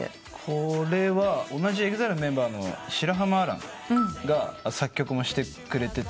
これは同じＥＸＩＬＥのメンバーの白濱亜嵐が作曲もしてくれてて。